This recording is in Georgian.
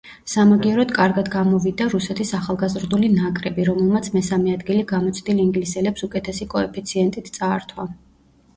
სამაგიეროდ კარგად გამოვიდა რუსეთის ახალგაზრდული ნაკრები, რომელმაც მესამე ადგილი გამოცდილ ინგლისელებს უკეთესი კოეფიციენტით წაართვა.